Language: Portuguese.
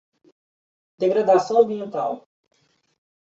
Degradação ambiental